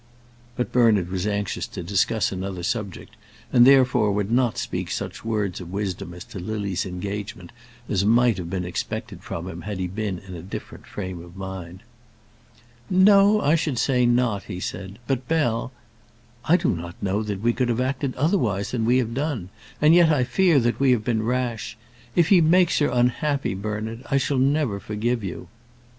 But Bernard was anxious to discuss another subject, and therefore would not speak such words of wisdom as to Lily's engagement as might have been expected from him had he been in a different frame of mind. "No, I should say not," said he. "But, Bell " "I do not know that we could have acted otherwise than we have done, and yet I fear that we have been rash. If he makes her unhappy, Bernard, I shall never forgive you."